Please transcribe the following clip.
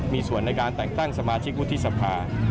มีส่วนในการแต่งตั้งสมาชิกวุฒิสภา